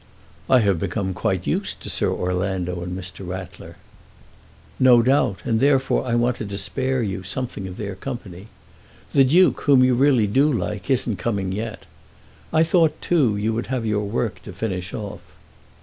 "I have become quite used to Sir Orlando and Mr. Rattler." "No doubt, and therefore I wanted to spare you something of their company. The Duke, whom you really do like, isn't coming yet. I thought, too, you would have your work to finish off."